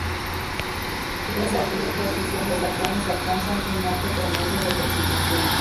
Es aquí donde sus producciones alcanzan un alto promedio de presentaciones.